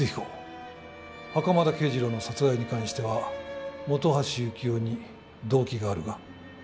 袴田啓二郎の殺害に関しては本橋幸雄に動機があるが。